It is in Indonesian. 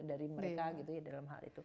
dari mereka gitu ya dalam hal itu